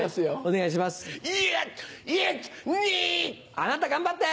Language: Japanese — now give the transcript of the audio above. あなた頑張って。